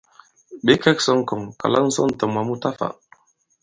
Ɓě kɛ̄k sɔ̄ i ŋkɔŋ, kàla ŋsɔn tɔ̀ moi mu ta fā.